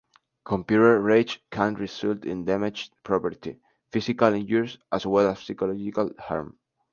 Computer rage can result in damaged property, physical injuries, as well as psychological harm.